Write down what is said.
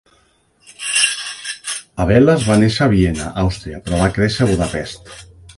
Abeles va néixer a Viena, Àustria, però va créixer a Budapest.